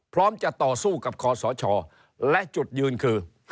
พร้อมจะต่อสู้กับคอสชและจุดยืนคือ